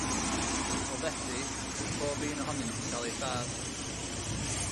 O fethu, bydd pob un ohonynt yn cael eu lladd.